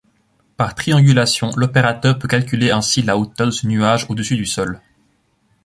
Par triangulation, l'opérateur peut calculer ainsi la hauteur de ce nuage au-dessus du sol.